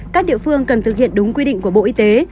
các địa phương cần thực hiện đúng quy định của bộ y tế